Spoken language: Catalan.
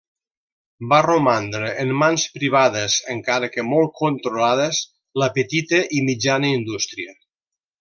Va romandre en mans privades, encara que molt controlades, la petita i mitja indústria.